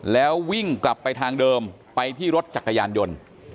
แล้ววิ่งกลับไปทางเดิมไปที่รถจักรยานยนต์